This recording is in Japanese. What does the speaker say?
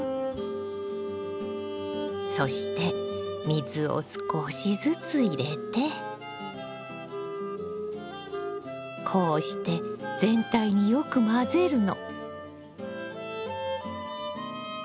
そして水を少しずつ入れてこうして全体によく混ぜるの。